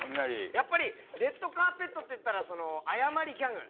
やっぱり「レッドカーペット」っていったら謝りギャグ。